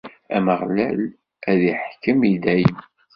Ameɣlal ad iḥkem i dayem.